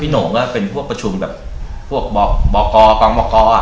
พี่หนอก็เป็นพวกประชุมแบบผมก็เป้าวคบลับบ่อคอ